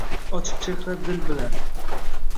Ochiq chehra dil bilan.